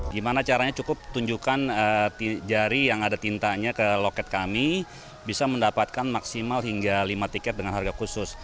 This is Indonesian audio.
gimana caranya cukup tunjukkan jari yang ada tintanya ke loket kami bisa mendapatkan maksimal hingga lima tiket dengan harga khusus